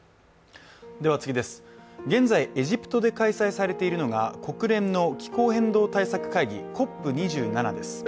現在、エジプトで開催されているのが国連の気候変動対策会議ＣＯＰ２７です。